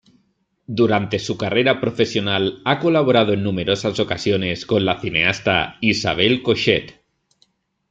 Durante su carrera profesional ha colaborado en numerosas ocasiones con la cineasta Isabel Coixet.